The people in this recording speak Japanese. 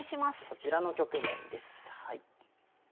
こちらの局面です。